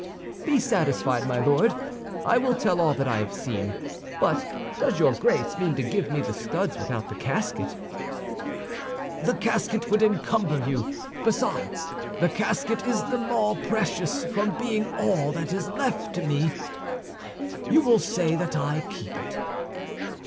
"Be satisfied, my Lord, I will tell all that I have seen. But does your Grace mean to give me the studs without the casket?" "The casket would encumber you. Besides, the casket is the more precious from being all that is left to me. You will say that I keep it."